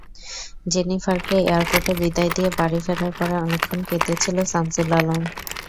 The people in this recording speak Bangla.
জেনিফারকে এয়ারপোর্টে বিদায় দিয়ে বাড়ি ফেরার পরে অনেকক্ষণ কেঁদেছিল শামসুল আলম।